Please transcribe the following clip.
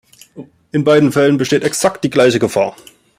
In beiden Fällen besteht exakt die gleiche Gefahr.